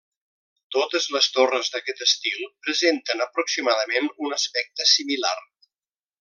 Totes les torres d'aquest estil presenten, aproximadament, un aspecte similar.